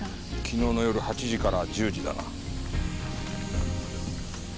昨日の夜８時から１０時だな。